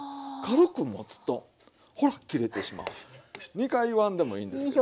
２回言わんでもいいんですけど。